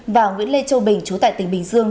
và nguyễn lê châu bình chú tại tỉnh bình dương